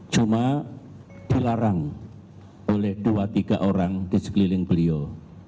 cuma dilarang oleh dua tiga orang di sekeliling beliau